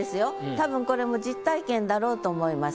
たぶんこれも実体験だろうと思います。